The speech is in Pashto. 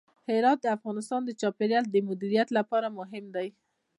هرات د افغانستان د چاپیریال د مدیریت لپاره مهم دي.